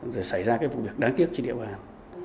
rồi xảy ra cái vụ việc đáng tiếc trên địa bàn